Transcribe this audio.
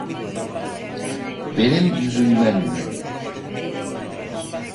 Benim yüzümden mi?